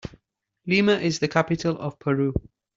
Lima is the capital of Peru.